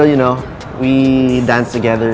คุณก็อยากทำ